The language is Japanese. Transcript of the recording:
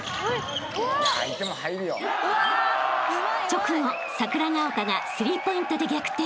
［直後桜丘がスリーポイントで逆転］